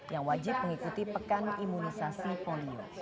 yang wajib mengikuti pekan imunisasi polio